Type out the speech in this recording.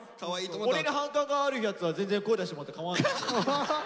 俺に反感があるやつは全然声出してもらってかまわないですよ。